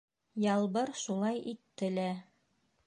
Ялбыр шулай итте лә.